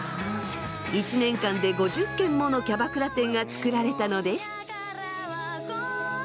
１年間で５０軒ものキャバクラ店が作られたのです。